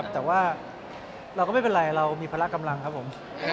แต่ว่าเราก็ไม่เป็นไรเรามีพละกำลังครับผม